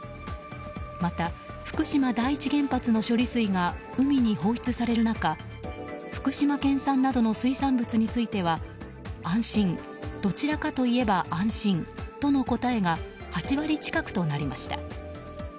また、福島第一原発の処理水が海に放出される中福島県産などの水産物については安心、どちらかといえば安心との答えが８割近くとなりました。